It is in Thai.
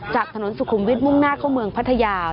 จากถนนสุขุมวิทย์มุ่งหน้าเข้าเมืองพัทยา